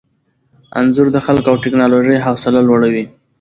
انځور د خلکو او ټیکنالوژۍ حوصله لوړوي.